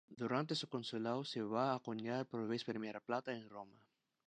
Durante su consulado se va a acuñar por vez primera plata en Roma.